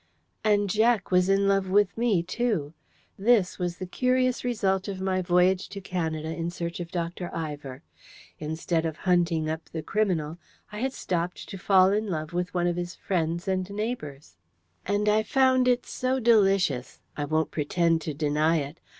And Jack was in love with me too. This was a curious result of my voyage to Canada in search of Dr. Ivor! Instead of hunting up the criminal, I had stopped to fall in love with one of his friends and neighbours. And I found it so delicious: I won't pretend to deny it.